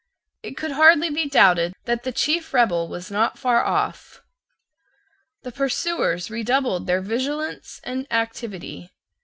It could hardly be doubted that the chief rebel was not far off. The pursuers redoubled their vigilance and activity.